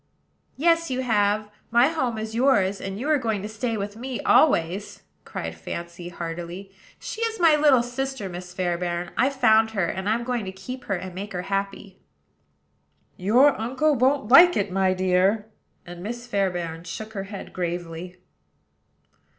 "Yes, you have: my home is yours; and you are going to stay with me always," cried Fancy, heartily. "She is my little sister, Miss Fairbairn: I found her; and I'm going to keep her, and make her happy." "Your uncle won't like it, my dear." And Miss Fairbairn shook her head gravely.